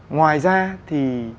ngoài ra thì